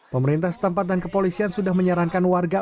pemerintah setempat dan kepolisian sudah menyarankan warga